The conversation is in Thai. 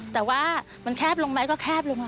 แต่ว่ามันแคบลงไหมก็แคบลงมา